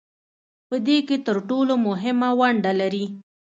په دې کې تر ټولو مهمه ونډه لري